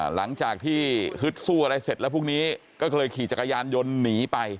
หลังจากที่ฮึดสู้อะไรเสร็จแล้วพวกนี้ก็เลยขี่จักรยานยนต์หนีไป